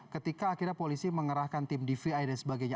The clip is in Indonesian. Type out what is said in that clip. ketika akhirnya polisi mengerahkan tim dvi dan sebagainya